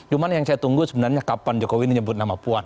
cuman yang saya tunggu sebenarnya kapan jokowi ini nyebut nama puan